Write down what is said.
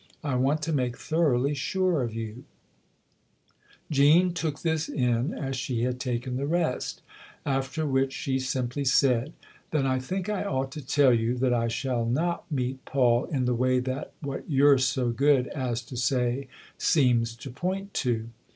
I want to make thoroughly sure of you !" Jean took this in as she had taken the rest ; after which she simply said :" Then I think I ought to tell you that I shall not meet Paul in the way that what you're so good as to say seems to point to."